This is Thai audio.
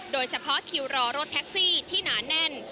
โดยเฉพาะคิวรอรถแท็กซี่ที่หนาแน่น